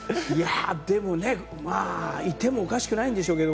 でもね、まあ、いてもおかしくないんでしょうけど。